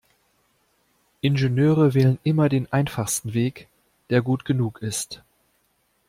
Ingenieure wählen immer den einfachsten Weg, der gut genug ist.